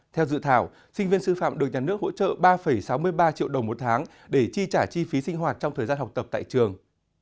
theo dự thảo sinh viên sư phạm được nhà nước hỗ trợ ba sáu mươi ba triệu đồng một tháng để chi trả chi phí sinh hoạt trong thời gian học tập tại trường